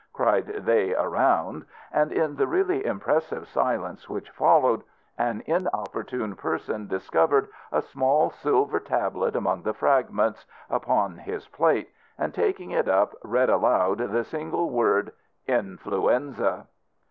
cried they around, and, in the really impressive silence which followed, an inopportune person discovered a small silver tablet among the fragments upon his plate, and, taking it up, read aloud the single word, "Influenza."